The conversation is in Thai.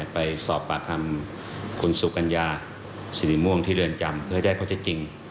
ไปสอบปากคำคุณสุกัญญาสิริม่วงที่เรือนจำเพื่อได้ข้อเท็จจริง